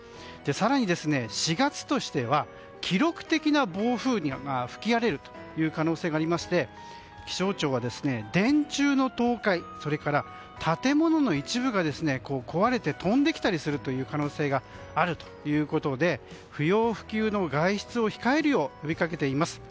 更に４月としては記録的な暴風が吹き荒れる可能性がありまして気象庁は、電柱の倒壊それから建物の一部が壊れて飛んできたりする可能性があるということで不要不急の外出を控えるよう呼びかけています。